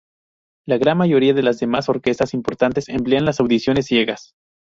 La gran mayoría de las demás orquestas importantes emplean las audiciones ciegas.